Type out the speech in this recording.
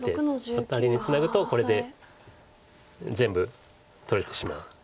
アタリにツナぐとこれで全部取れてしまう。